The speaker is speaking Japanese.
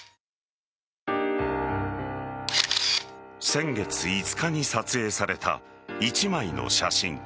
先月５日に撮影された一枚の写真。